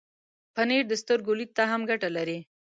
پنېر د سترګو لید ته هم ګټه لري.